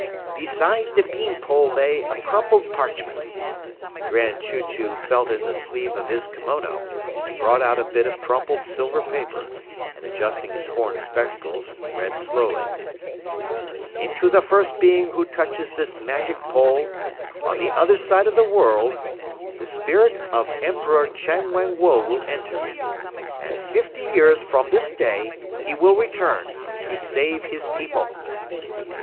"Beside the bean pole lay a crumpled parchment." The Grand Chew Chew felt in the sleeve of his kimono and brought out a bit of crumpled silver paper, and adjusting his horn spectacles, read slowly. "Into the first being who touches this magic pole on the other side of the world the spirit of Emperor Chang Wang Woe will enter. And fifty years from this day, he will return to save his people."